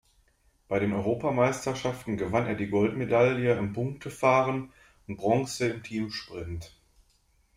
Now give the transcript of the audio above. Bei den Europameisterschaften gewann er die Goldmedaille im Punktefahren und Bronze im Teamsprint.